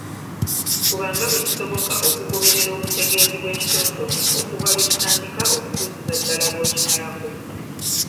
Fuba nga bwe kisoboka okugoberera obutegeezi bw’ekitontome okuva lwe kitandika okutuusiza ddala lw’okimalako.